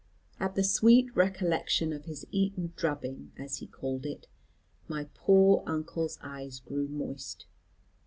'" At the sweet recollection of his Eton drubbing, as he called it, my poor uncle's eyes grew moist.